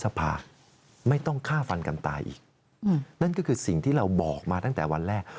สภาไม่ต้องฆ่าฟันกันตายอีกนั่นก็คือสิ่งที่เราบอกมาตั้งแต่วันแรก